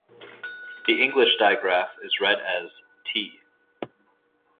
The English digraph is read as "t".